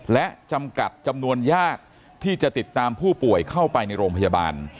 และจำกัดจำนวนญาติที่จะติดตามผู้ป่วยเข้าไปในโรงพยาบาล